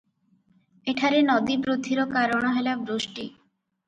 ଏଠାରେ ନଦୀ ବୃଦ୍ଧିର କାରଣ ହେଲା ବୃଷ୍ଟି ।